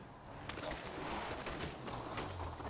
په جګړه کې د مدیریت ستونزې موجودې وې.